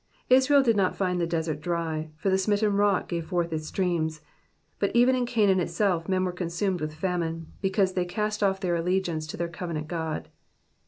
Israel did not find the desert dry, for the smitten rock gave forth its streams ; but even in Canaan itself men were consumed with famine, because they cast off their allegiance to their covenant God.